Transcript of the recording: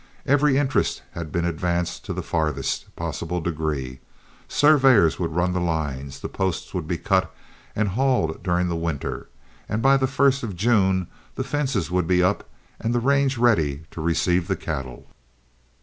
Every interest had been advanced to the farthest possible degree: surveyors would run the lines, the posts would be cut and hauled during the winter, and by the first of June the fences would be up and the range ready to receive the cattle.